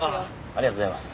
ありがとうございます。